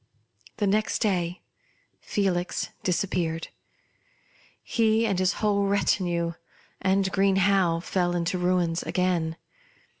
The next day Felix disappeared ; he and his whole retinue ; and Green Howe fell into ruins again.